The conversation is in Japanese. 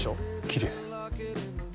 きれい。